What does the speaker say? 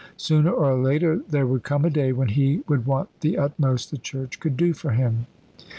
Sooner or later there would come a day when he would want the utmost the Church could do for him.